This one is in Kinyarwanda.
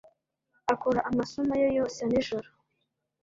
akora amasomo ye yose nijoro